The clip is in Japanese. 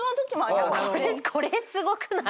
これすごくない？